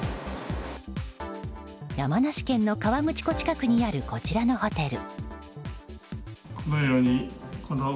山梨県の河口湖近くにあるこちらのホテル。